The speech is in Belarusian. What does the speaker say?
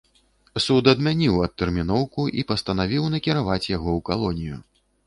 Суд адмяніў адтэрміноўку і пастанавіў накіраваць яго ў калонію.